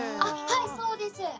はいそうです。